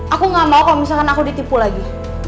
aku gak mau kalau misalkan aku ditipu lagi